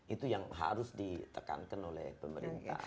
itu yang harus ditekankan oleh pemerintah